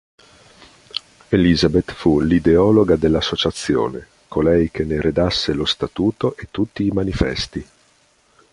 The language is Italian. Élisabeth fu l'ideologa dell'associazione, colei che ne redasse lo statuto e tutti i manifesti.